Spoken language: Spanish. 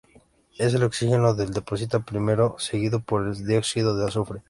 En este el oxígeno se deposita primero, seguido por el dióxido de azufre.